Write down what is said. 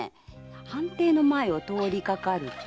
藩邸の前を通りかかると。